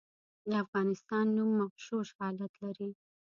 د افغانستان نوم مغشوش حالت لري.